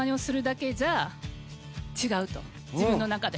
自分の中で。